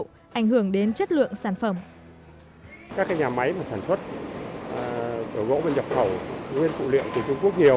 các nhà máy sản xuất gỗ và nhập khẩu nguyên phụ liệu từ trung quốc nhiều